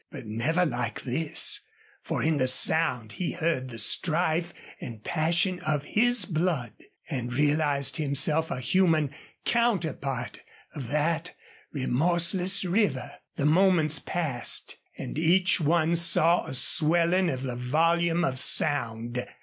But never like this, for in the sound he heard the strife and passion of his blood, and realized himself a human counterpart of that remorseless river. The moments passed and each one saw a swelling of the volume of sound.